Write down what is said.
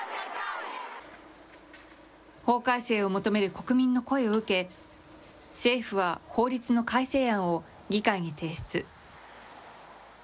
法改正を求める国民の声を受け、政府は法律の改正案を議会に提出。